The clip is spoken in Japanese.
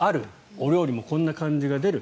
お料理もこんな感じのが出る。